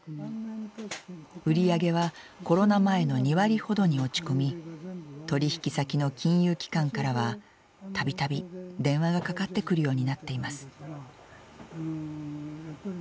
売り上げはコロナ前の２割ほどに落ち込み取り引き先の金融機関からは度々電話がかかってくるようになっています。